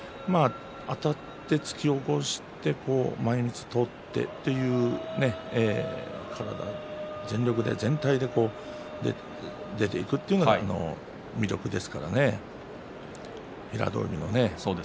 あたって突き起こして前みつを取ってという体全体で出ていくというのが魅力ですからね、平戸海のね。